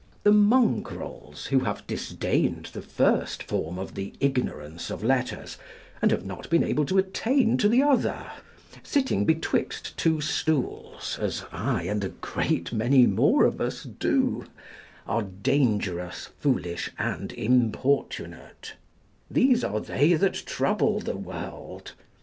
The mongrels who have disdained the first form of the ignorance of letters, and have not been able to attain to the other (sitting betwixt two stools, as I and a great many more of us do), are dangerous, foolish, and importunate; these are they that trouble the world.